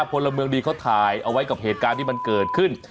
พลเมืองดีเขาถ่ายเอาไว้กับเหตุการณ์ที่มันเกิดขึ้น